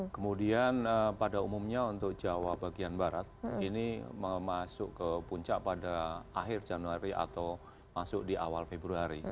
kemudian pada umumnya untuk jawa bagian barat ini masuk ke puncak pada akhir januari atau masuk di awal februari